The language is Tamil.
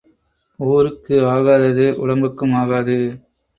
ஊருக்கு ஆகாதது உடம்புக்கும் ஆகாது.